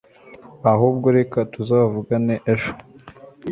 ahubwo reka tuzavugane ejo